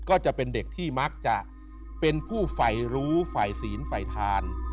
ก็จะเป็นเด็กที่มักจะเป็นผู้ฝ่ายรู้ฝ่ายศีลฝ่ายทาน